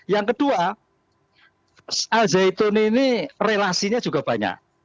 yang kedua al zaitun ini relasinya juga banyak